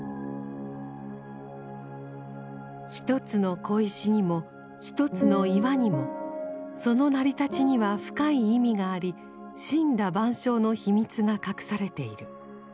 １つの小石にも１つの岩にもその成り立ちには深い意味があり森羅万象の秘密が隠されている。